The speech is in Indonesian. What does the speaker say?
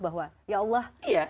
bahwa ya allah